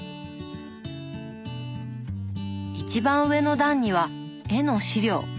一番上の段には絵の資料。